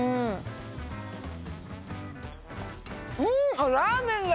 うん！あっラーメンだ！